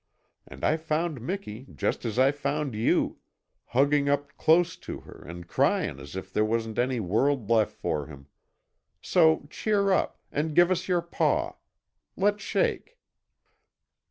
And I found Miki just as I found you, hugging up close to her an' crying as if there wasn't any world left for him. So cheer up, and give us your paw. Let's shake!"